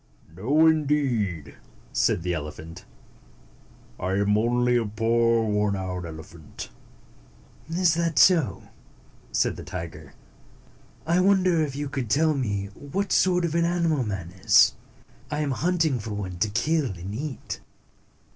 "No, indeed," Said the elephant. "I am only a poor worn out elephant." "Is that so?" said the tiger. "I wonder if you can tell me what sort of an animal man is ? I am hunting for one to kill and eat."